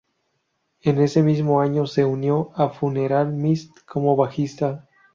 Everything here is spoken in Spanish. En ese mismo año se unió a Funeral Mist como bajista.